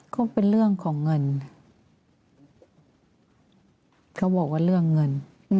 ก็เป็นเรื่องของเงินเขาบอกว่าเรื่องเงิน